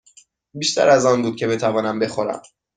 بیشتر از آن بود که بتوانم بخورم.